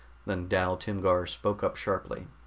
Then Dal Timgar spoke up sharply.